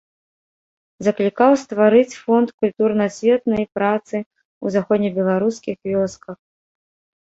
Заклікаў стварыць фонд культурна-асветнай працы ў заходнебеларускіх вёсках.